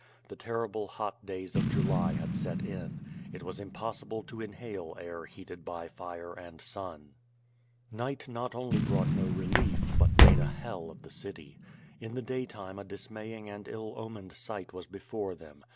The terrible hot days of July had set in. It was im possible to inhale air heated by fire and sun. QUO VADI8. 339 Night not only brought no relief, but made a hell of the city. In the daytime a dismaying and ill omened sight was before them.